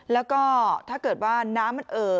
แล้วก็ถ้าเกิดว่าน้ำมันเอ่อ